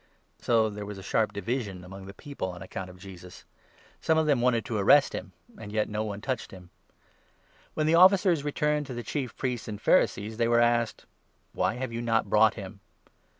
" So there was a sharp division among the people en account of 43 Jesus. Some of them wanted to arrest him, and yet no one 44 touched him. When the officers returned to the Chief Priests and Pharisees, 45 they were asked :" Why have you not brought him